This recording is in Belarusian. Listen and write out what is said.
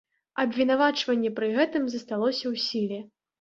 Абвінавачанне пры гэтым засталося ў сіле.